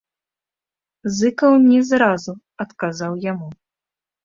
Зыкаў не зразу адказаў яму.